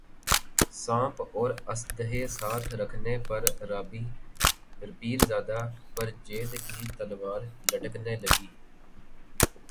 سانپ اور اژدھے ساتھ رکھنے پر رابی پیرزادہ پر جیل کی تلوار لٹکنے لگی